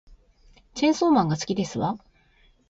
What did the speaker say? チェーンソーマンが好きですわ